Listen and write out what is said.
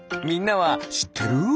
みんなはしってる？